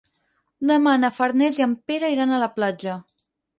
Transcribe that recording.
Demà na Farners i en Pere iran a la platja.